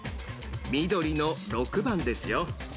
緑の６番ですよ。